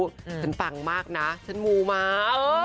ฉันปังมากนะฉันมูมาก